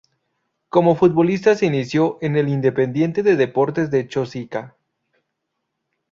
Como futbolista se inició en el Independiente de Deportes de Chosica.